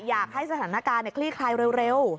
อยากให้สถานการณ์คลี่คลายเร็ว